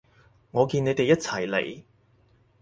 我見你哋一齊嚟